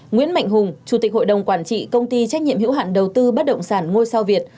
nguyễn mạnh hùng chủ tịch hội đồng quản trị công ty trách nhiệm hữu hạn đầu tư bất động sản ngôi sao việt